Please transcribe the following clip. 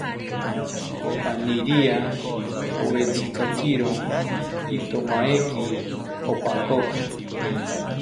Kokaniria owetzikakiro intomaeki opankoki